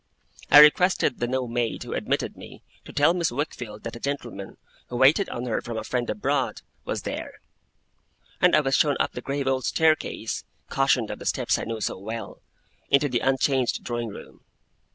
I requested the new maid who admitted me, to tell Miss Wickfield that a gentleman who waited on her from a friend abroad, was there; and I was shown up the grave old staircase (cautioned of the steps I knew so well), into the unchanged drawing room.